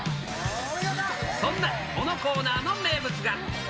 そんなこのコーナーの名物が。